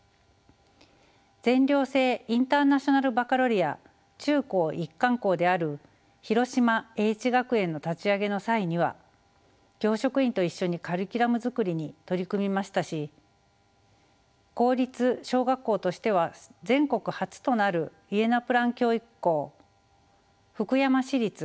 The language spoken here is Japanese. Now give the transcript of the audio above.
全寮制インターナショナルバカロレア中高一貫校である広島叡智学園の立ち上げの際には教職員と一緒にカリキュラム作りに取り組みましたし公立小学校としては全国初となるイエナプラン教育校福山市立